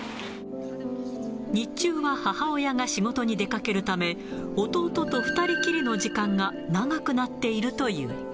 日中は母親が仕事に出かけるため、弟と２人きりの時間が長くなっているという。